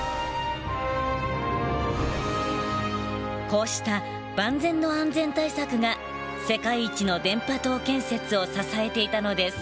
こうした万全の安全対策が世界一の電波塔建設を支えていたのです。